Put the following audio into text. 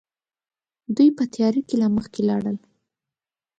دوی په تياره کې مخکې لاړل.